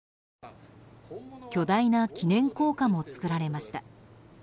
巨大な記念硬貨も作られました。